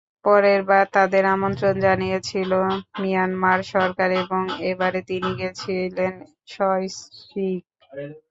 পরেরবার তাঁদের আমন্ত্রণ জানিয়েছিল মিয়ানমার সরকার এবং এবারে তিনি গিয়েছিলেন সস্ত্রীক।